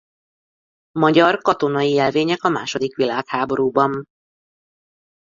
Magyar katonai jelvények a második világháborúban.